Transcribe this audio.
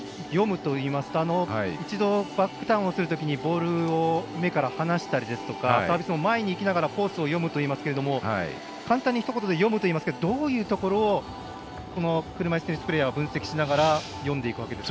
読むといいますと一度、バックターンをするときにボールを目から離したりサービスを前にいきながらコースを読むといいますが簡単にひと言で読むといいますけどどういうところを車いすテニスプレーヤーは分析しながら読んでいくわけですか。